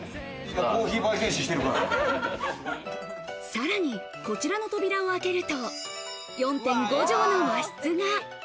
さらに、こちらの扉を開けると、４．５畳の和室が。